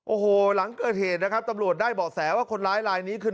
โอ้โหหลังเกิดเหตุนะครับตำรวจได้เบาะแสว่าคนร้ายลายนี้คือ